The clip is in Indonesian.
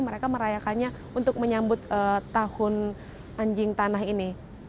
mereka merayakannya untuk menyambut tahun anjing tanah ini